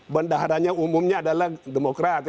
bendaharanya umumnya adalah demokrat